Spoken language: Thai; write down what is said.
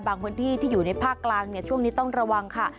พื้นที่ที่อยู่ในภาคกลางช่วงนี้ต้องระวังค่ะ